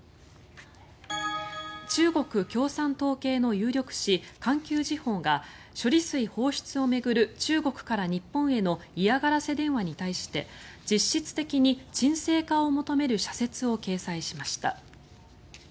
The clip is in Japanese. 中国共産党系の有力紙環球時報が処理水放出を巡る中国から日本への嫌がらせ電話に対して実質的に鎮静化を求める社説を掲載しました。